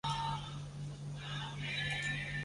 嘉佑寺的历史年代为清代。